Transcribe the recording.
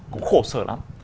cũng khổ sở lắm